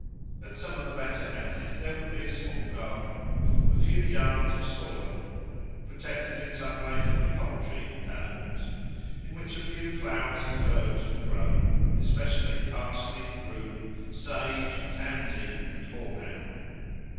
At some of the better houses there would be a small garden, a few yards of soil protected in some way from the poultry and animals, in which a few flowers and herbs were grown, especially parsley, rue, sage, tansy, and horehound.